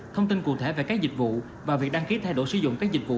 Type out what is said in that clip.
thông tin cụ thể về các dịch vụ và việc đăng ký thay đổi sử dụng các dịch vụ